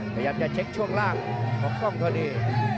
พยายามจะเช็คช่วงล่างของกล้องพอดี